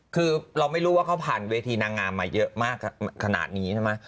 คือเราไม่รู้ว่าเขาผ่านเวทีนางงามมาเยอะมากขนาดนี้ใช่ไหม